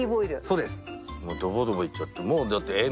そうです。